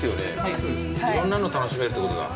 いろんなの楽しめるってことだ。